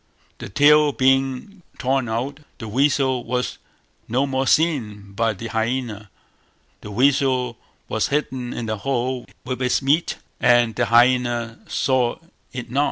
The tail being torn out, the weasel was no more seen by the hyaena: the weasel was hidden in the hole with its meat, and the hyaena saw it not.